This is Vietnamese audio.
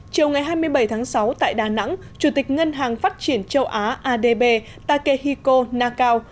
chiều ngày hai mươi bảy tháng sáu tại đà nẵng chủ tịch ngân hàng phát triển châu á adb takehiko nakao